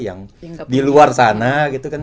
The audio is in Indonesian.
yang diluar sana gitu kan